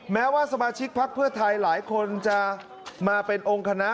แม้ว่าสมาชิกพักเพื่อไทยหลายคนจะมาเป็นองค์คณะ